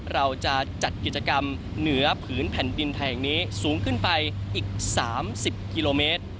เราจะจัดกิจกรรมเหนือผืนแผ่นดินไทยแห่งนี้สูงขึ้นไปอีก๓๐กิโลเมตร